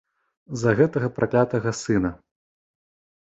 З-за гэтага праклятага сына.